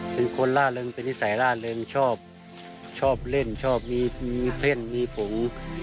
เป็นคนล่าเริงเป็นนิสัยล่าเริงชอบชอบเล่นชอบมีเส้นมีผง